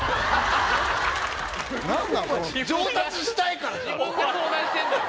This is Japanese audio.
上達したいからだろ！